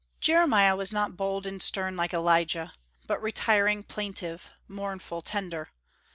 Jeremiah was not bold and stern, like Elijah, but retiring, plaintive, mournful, tender.